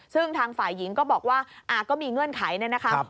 ซึ่งทางฝ่ายหญิงก็บอกว่าก็มีเงื่อนไขเนี่ยนะครับ